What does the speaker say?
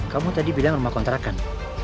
kamu tadi bilang rumah kontrakan